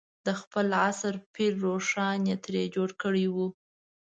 د خپل عصر پير روښان یې ترې جوړ کړی و.